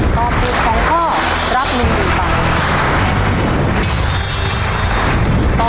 ตอบถูก๒ข้อรับ๑๐๐๐บาท